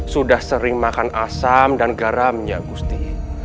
sudah sering makan asam dan garamnya gusti